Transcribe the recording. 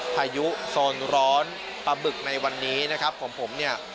พายุโซนร้อนปลาบึกในวันนี้นะครับของผมเนี่ย